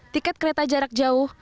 tiket kereta jarak jauh